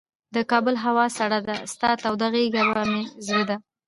د کابل هوا سړه ده، ستا توده غیږ مه په زړه ده